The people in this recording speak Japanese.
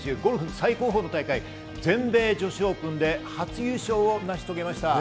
最高峰の大会の全米女子オープンで初優勝を成し遂げました。